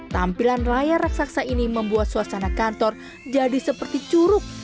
tampilan layar raksasa ini membuat suasana kantor jadi seperti curug